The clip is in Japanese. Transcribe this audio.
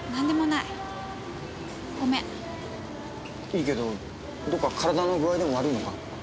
いいけどどっか体の具合でも悪いのか？